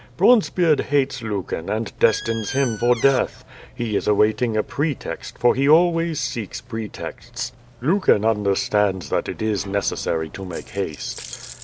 "Bronzebeard hates Lucan, and destines him for death. He is awaiting a pretext, for he always seeks pretexts. Lucan understands that it is necessary to make haste."